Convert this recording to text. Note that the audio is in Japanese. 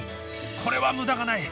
これはむだがない！